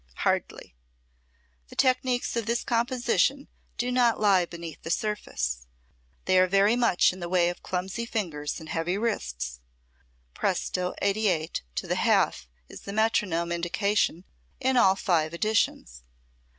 Hardly. The technics of this composition do not lie beneath the surface. They are very much in the way of clumsy fingers and heavy wrists. Presto 88 to the half is the metronome indication in all five editions.